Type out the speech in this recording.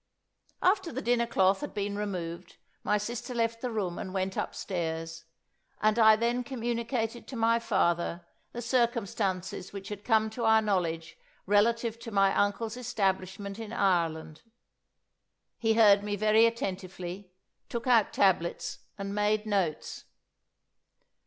After the dinner cloth had been removed, my sister left the room, and went upstairs, and I then communicated to my father the circumstances which had come to our knowledge relative to my uncle's establishment in Ireland. He heard me very attentively, took out tablets, and made notes.